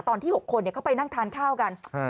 ตอนที่๖คนเข้าไปนั่งทานข้าวกัน